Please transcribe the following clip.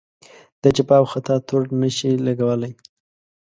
د جفا او خطا تور نه شي لګولای.